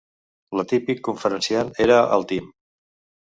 L'atípic conferenciant era el Tim.